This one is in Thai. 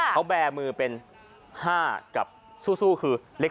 เขาแบมือเป็น๕กับซู่ซู่คือเลข๒